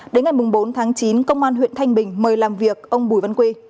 đến ngày bốn tháng chín công an huyện thanh bình mời làm việc ông bùi văn quy